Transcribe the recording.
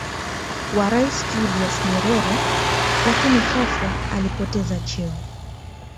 wa Rais Julius Nyerere lakin ghafla alipoteza cheo